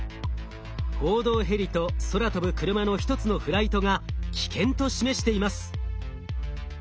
報道ヘリと空飛ぶクルマの１つのフライトが危険と示しています。